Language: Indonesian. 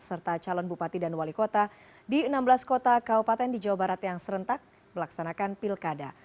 serta calon bupati dan wali kota di enam belas kota kaupaten di jawa barat yang serentak melaksanakan pilkada